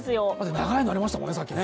長いのありましたもんね、さっきね。